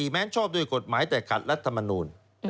แม้ชอบด้วยกฎหมายแต่ขัดรัฐมนูล